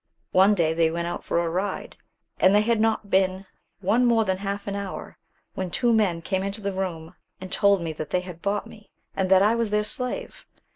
One day they went out for a ride, and they had not been one more than half an hour, when two men came into the room and told me that they had bought me, and that I was their slave.